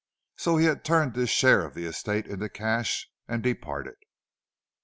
So he had turned his share of the estate into cash and departed.